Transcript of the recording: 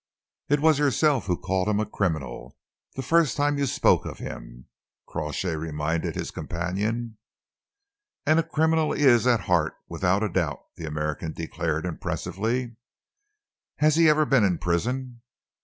"It was you yourself who called him a criminal, the first time you spoke of him," Crawshay reminded his companion. "And a criminal he is at heart, without a doubt," the American declared impressively. "Has he ever been in prison?"